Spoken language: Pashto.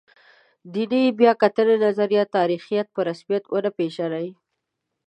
دیني بیا کتنې نظریه تاریخیت په رسمیت ونه پېژني.